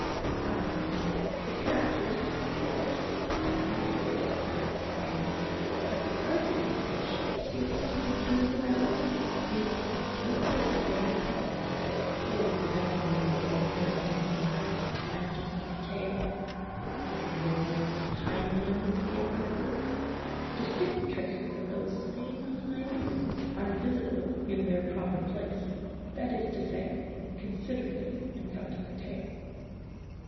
(See p. 90.) Finally, the characteristic flukes of the adult are acquired. But the argument which seems to conclude the matter is that in this same porpoise, coincidental^ with the appearance of the lateral flanges of the tail (the supposed hind limbs, be it remembered), distinct traces of those same hind limbs are visible in their proper place, that is to say, considerably in front of the tail.